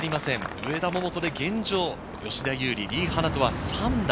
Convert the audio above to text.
上田桃子で現状、吉田優利、リ・ハナとは３打。